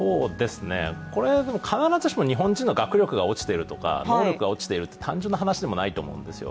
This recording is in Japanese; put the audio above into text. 必ずしも日本人の学力が落ちているとか能力が落ちているというような単純な話でもないと思うんですよ。